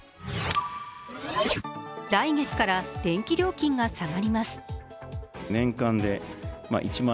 来月から電気料金が下がります。